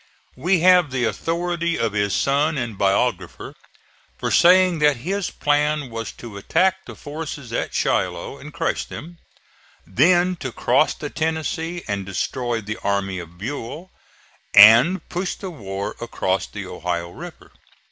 We have the authority of his son and biographer for saying that his plan was to attack the forces at Shiloh and crush them; then to cross the Tennessee and destroy the army of Buell, and push the war across the Ohio River.